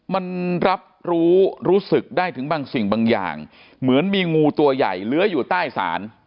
มันรับรู้รู้สึกได้ถึงบางสิ่งบางอย่างเหมือนมีงูตัวใหญ่เลื้อยอยู่ใต้ศาล